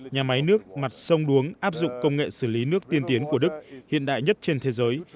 nhà máy nước mặt sông đuống áp dụng công nghệ xử lý nước tiên tiến của đức hiện đại nhất trên thế giới